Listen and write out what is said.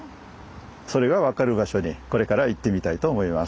それが分かる場所にこれから行ってみたいと思います。